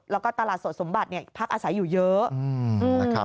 แล้วก็ตลาดสดสมบัติพักอาศัยอยู่เยอะนะครับ